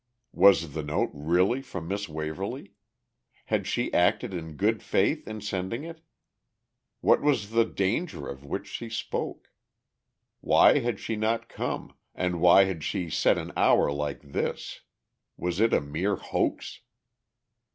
Was the note really from Miss Waverly? Had she acted in good faith in sending it? What was the danger of which she spoke? Why had she not come, and why had she set an hour like this? Was it a mere hoax?